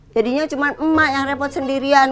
jadinya cuma emak yang repot sendirian